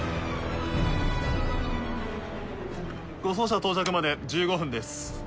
護送車到着まで１５分です。